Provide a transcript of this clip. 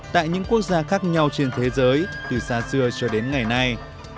tại những quốc gia khác nhau trên thế giới từ xa xưa cho đến ngày nay